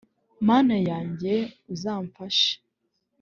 Mana yanjye uzamfashe.